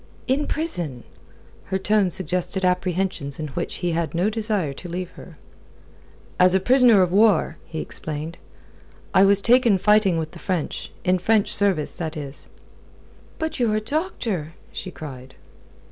"In prison?" Her tone suggested apprehensions in which he had no desire to leave her. "As a prisoner of war," he explained. "I was taken fighting with the French in French service, that is." "But you're a doctor!" she cried.